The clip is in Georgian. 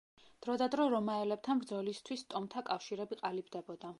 დროდადრო რომაელებთან ბრძოლისთვის ტომთა კავშირები ყალიბდებოდა.